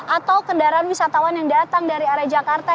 atau kendaraan wisatawan yang datang dari arah jakarta